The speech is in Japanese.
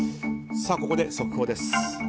ここで速報です。